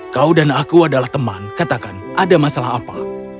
kau dan aku adalah teman katakan ada masalah apa